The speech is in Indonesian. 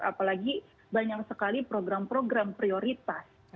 apalagi banyak sekali program program prioritas